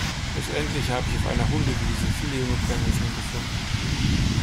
Schlussendlich hab ich auf einer Hundewiese viele junge Brennesseln gefunden.